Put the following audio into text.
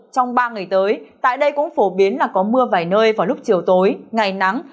trong ba ngày tới tại đây cũng phổ biến là có mưa vài nơi vào lúc chiều tối ngày nắng